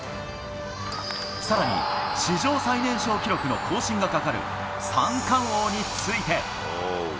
さらに史上最年少記録の更新がかかる三冠王について。